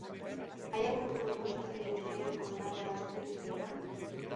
Hai algún grupo de música que lle gustaría recomendar para descubrir este verán?